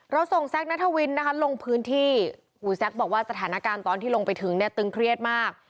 ส่งแซคนัทวินนะคะลงพื้นที่อุ้ยแซ็กบอกว่าสถานการณ์ตอนที่ลงไปถึงเนี่ยตึงเครียดมาก